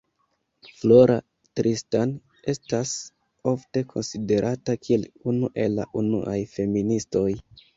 Flora Tristan estas ofte konsiderata kiel unu el la unuaj feministoj.